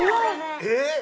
・えっ？